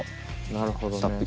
なるほどね。